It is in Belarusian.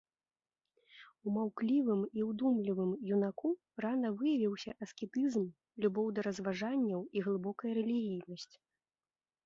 У маўклівым і удумлівым юнаку рана выявіўся аскетызм, любоў да разважанняў і глыбокая рэлігійнасць.